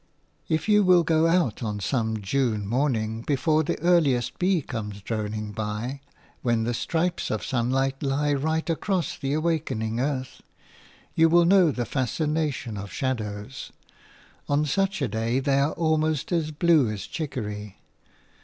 If you will go out on some June morning, before the earliest bee comes droning by, when the stripes of sunrise lie right across the awakening earth, you will know the fascination of shadows. On such a day they are almost as blue as chicory.